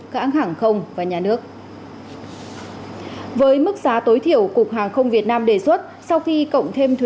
các hãng không và nhà nước với mức giá tối thiểu cục hàng không việt nam đề xuất sau khi cộng thêm